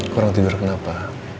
kurang tidur kenapa